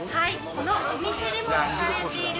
このお店でも使われている